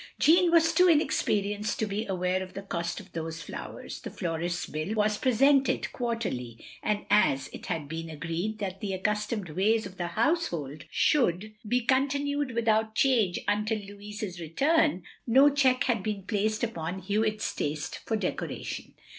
Jeanne was too inexperienced to be aware of the cost of those flowers. The florist's bill was presented quarterly, and as it had been agreed that the accustoms! ways of the household should 159 i6o THE LONELY LADY be continued without change until Louis's return, no check had been placed upon Hewitt's taste for decoration.